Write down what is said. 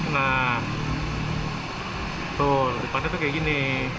nah tuh depannya tuh kayak gini